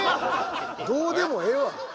どうでもええわ。